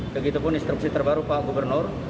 begitupun instruksi terbaru pak gubernur